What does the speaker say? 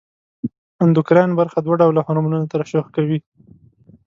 اندوکراین برخه دوه ډوله هورمونونه ترشح کوي.